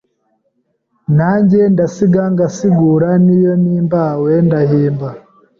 Nanjye ndasiga ngasigura N'iyo mpimbawe ndahimba